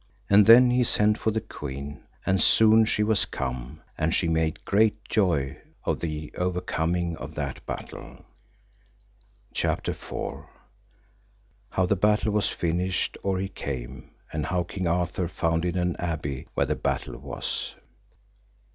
And then he sent for the queen, and soon she was come, and she made great joy of the overcoming of that battle. CHAPTER IV. How the battle was finished or he came, and how King Arthur founded an abbey where the battle was.